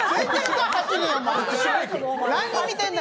何見てんだ